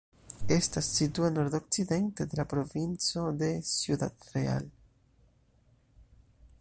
Estas situa nordokcidente de la provinco de Ciudad Real.